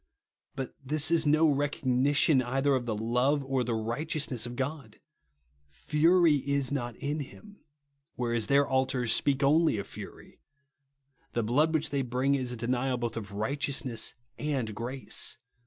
But this is no recognition either of the love or the righteousness of God. " Fury is not in him ;" whereas their altars speak only of fury. The blood which they bring is a denial both of righteousness and grace.